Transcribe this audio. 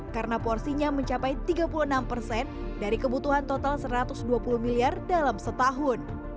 karena porsinya mencapai tiga puluh enam persen dari kebutuhan total satu ratus dua puluh miliar dalam setahun